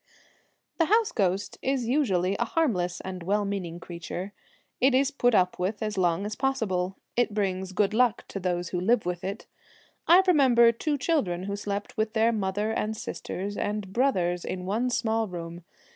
The house ghost is usually a harmless and well meaning creature. It is put up with as long as possible. It brings good luck to those who live with it. I remem ber two children who slept with their mother and sisters and brothers in one 32 small room.